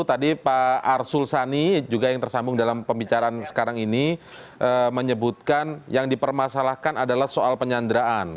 tadi pak arsul sani juga yang tersambung dalam pembicaraan sekarang ini menyebutkan yang dipermasalahkan adalah soal penyanderaan